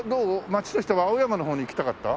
街としては青山の方に行きたかった？